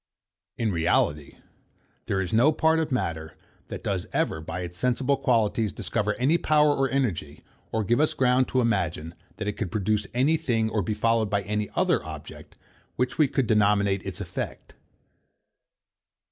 In reality, there is no part of matter, that does ever, by its sensible qualities, discover any power or energy, or give us ground to imagine, that it could produce any thing, or be followed by any other object, which we could denominate its effect.